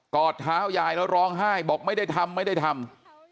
อดเท้ายายแล้วร้องไห้บอกไม่ได้ทำไม่ได้ทำ